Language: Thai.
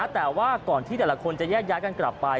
แต่ว่าก่อนที่แต่ละคนจะแยกย้ายกันกลับไป